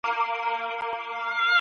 دا شرط منظم تکرار دی.